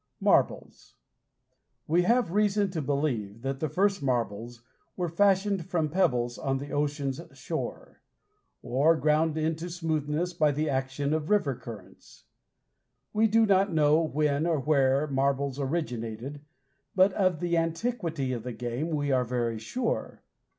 MARBLES We have reason to believe that the first marbles were fashioned from pebbles on the ocean's shore, or ground into roundness by the action of river currents. We do not know when or where marbles originated, but of the antiquity of the game we are very sure.